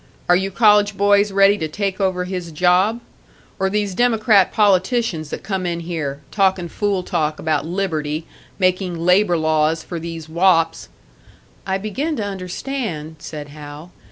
Are you college boys ready to take over his job? Or these Democrat politicians that come in here, talking fool talk about liberty, making labour laws for these wops " "I begin to understand," said Hal.